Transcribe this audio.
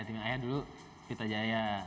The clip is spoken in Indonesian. timnya ayah dulu vita jaya